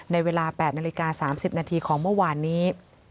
ในเวลา๘นาฬิกา๓๐นาทีของเมื่อวานนี้